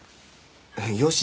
「よし！」